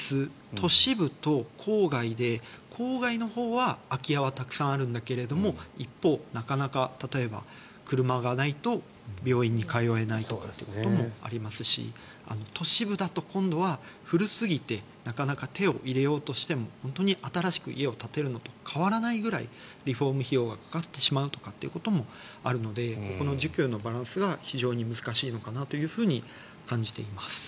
都市部と郊外で郊外のほうは空き家はたくさんあるんだけれども一方、なかなか例えば車がないと病院へ通えないということもありますし都市部だと今度は古すぎてなかなか手を入れようとしても本当に新しく家を建てるのと変わらないくらいリフォーム費用がかかってしまうということもあるのでここの需給のバランスが非常に難しいのかなと感じています。